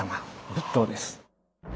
仏頭です。